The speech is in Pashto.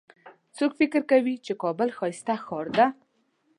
څوک فکر کوي چې کابل ښایسته ښار ده